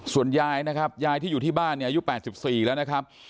ส่วนยายนะครับยายที่อยู่ที่บ้านเนี่ยอายุ๘๔แล้วนะครับ